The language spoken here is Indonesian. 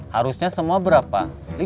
harusnya semua berapa